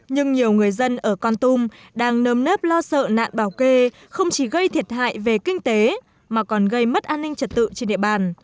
nhưng nhiều người dân ở con tum đang nơm nớp lo sợ nạn bảo kê không chỉ gây thiệt hại về kinh tế mà còn gây mất an ninh trật tự trên địa bàn